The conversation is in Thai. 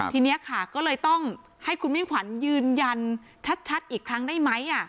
ทีนี้ค่ะก็เลยต้องให้คุณมิ่งขวัญยืนยันชัดอีกครั้งได้ไหม